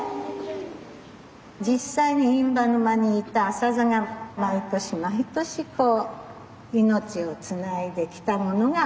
実際に印旛沼にいたアサザが毎年毎年こう命をつないできたものが今あるんです。